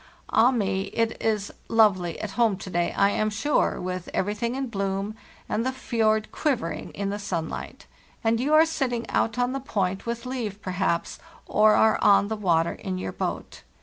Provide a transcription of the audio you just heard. Ah me! it is lovely at home to day, I am sure, with everything in bloom and the fjord quivering in the sunlight; and you are sitting out on the point with Liv, perhaps, or are on the water in your boat.